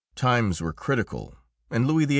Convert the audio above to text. Times were critical, and Louis XVIII.